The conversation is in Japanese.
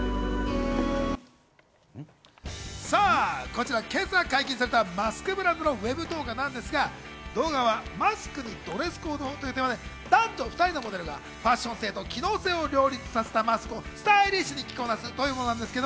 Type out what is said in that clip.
こちら、今朝解禁されたマスクブランドのＷＥＢ動画なんですが、動画はマスクにドレスコードをというテーマでなんと２人のモデルがファッション性と機能性を両立させたマスクをスタイリッシュに着こなすというものなんです。